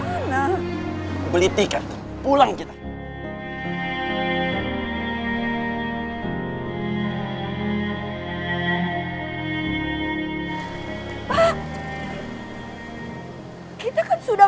kita kan sudah beli tiket untuk pulang ke rumah